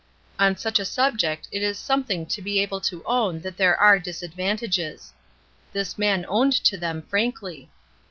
On such a subject it is something to be able to own that there are disadvantages. This man owned to them frankly.